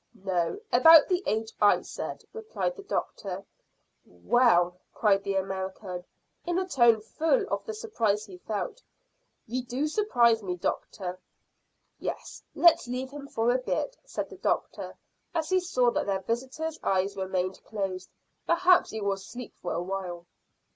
"No: about the age I said," replied the doctor. "Well," cried the American, in a tone full of the surprise he felt, "yew do surprise me, doctor!" "Let's leave him for a bit," said the doctor, as he saw that their visitor's eyes remained closed. "Perhaps he will sleep for a while."